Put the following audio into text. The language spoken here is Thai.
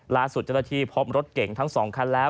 ล่าสุดเจ้าหน้าที่พบรถเก่งทั้ง๒คันแล้ว